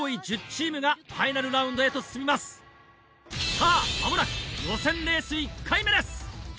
さぁ間もなく予選レース１回目です！